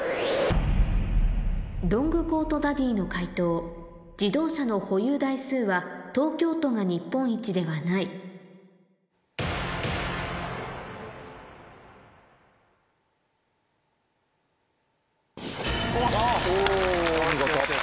ロングコートダディの解答「自動車の保有台数」は東京都が日本一ではないよしよし。